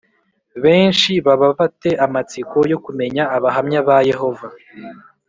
benshi baba ba te amatsiko yo kumenya Abahamya ba Yehova